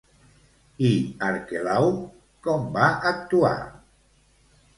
I Arquelau com va actuar?